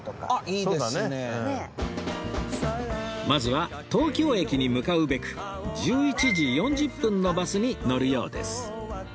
まずは東京駅に向かうべく１１時４０分のバスに乗るようです